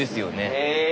へえ！